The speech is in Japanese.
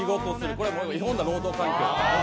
これは違法な労働環境。